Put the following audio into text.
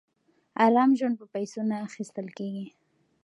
ارام ژوند په پیسو نه اخیستل کېږي.